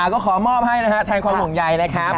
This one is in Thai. ก็ขอมอบให้นะฮะแทนความห่วงใยนะครับ